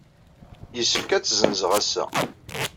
Yessefk ad tt-ssenzeɣ ass-a.